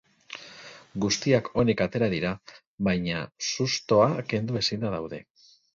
Guztiak onik atera dira, baina sustoa kendu ezinda daude.